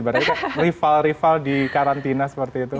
ibaratnya rival rival di karantina seperti itu